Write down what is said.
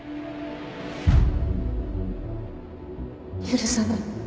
許さない